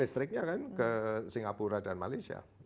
listriknya kan ke singapura dan malaysia